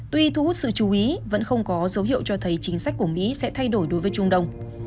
tuy thu hút sự chú ý vẫn không có dấu hiệu cho thấy chính sách của mỹ sẽ thay đổi đối với trung đông